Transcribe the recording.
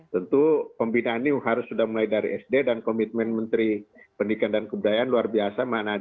tentu pembinaan ini harus sudah mulai dari sd dan komitmen menteri pendidikan dan kebudayaan luar biasa